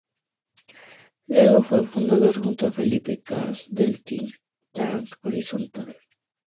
Luego fue fundador, junto a Felipe Kast, del "think tank" Horizontal.